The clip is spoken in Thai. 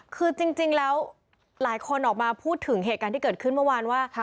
คือจริงแล้วหลายคนออกมาพูดถึงเหตุการณ์ที่เกิดขึ้นเมื่อวานว่า